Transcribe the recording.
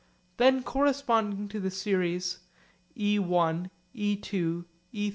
Then corresponding to the series e₁, e₂, e₃